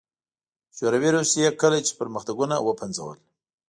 شوروي روسيې کله چې پرمختګونه وپنځول